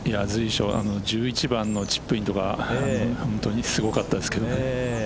１１番のチップインとか本当にすごかったですけどね。